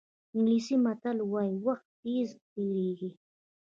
انګلیسي متل وایي وخت تېز تېرېږي.